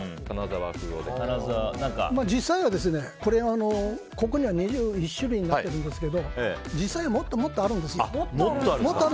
実際は、ここには２１種類なってるんですけど実際はもっとあるんですよ。